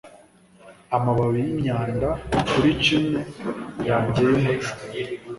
Amababi yimyanda kuri chimney yanjye yumucyo